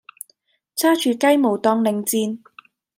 揸住雞毛當令箭